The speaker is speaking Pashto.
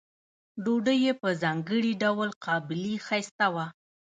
ډوډۍ یې په ځانګړي ډول قابلي ښایسته وه.